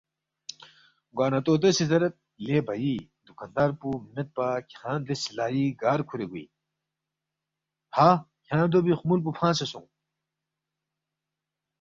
گوا نہ طوطو سی زیرید، لے بھئی دُکاندار پو میدپا کھیانگ دے سِلائی گار کُھورے گوے اِن؟ ہا کھیانگ دو بی خمُول پو فنگسے سونگ